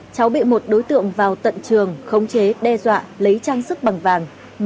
cháu bị một đối tượng vào tận trường khống chế đe dọa lấy trang sức bằng vàng